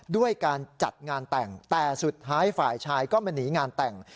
ด้วยการจัดงานแต่งแต่สุดท้ายฝ่ายชายก็มาหนีงานแต่ง